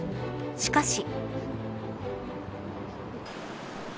しかし。